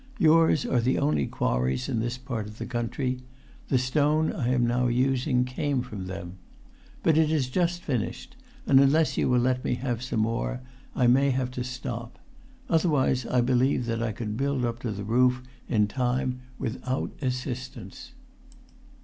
Yours are the only quarries in this part of the country. The stone I am now using came from them. But it is just finished, and unless you will let me have some more I may have to stop; otherwise I believe that I could build up to the roof, in time, without assistance."